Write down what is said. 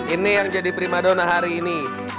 ini yang jadi primadona hari ini